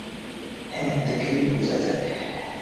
হ্যাঁ, দেখেই বোঝা যায়।